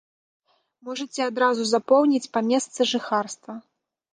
Можаце адразу запоўніць па месцы жыхарства.